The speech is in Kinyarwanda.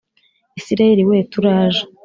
Isirayeli we turaje